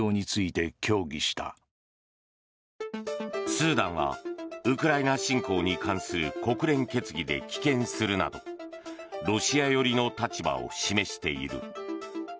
スーダンはウクライナ侵攻に関する国連決議で棄権するなどロシア寄りの立場を示している。